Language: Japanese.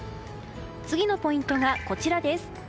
次のポイントがこちらです。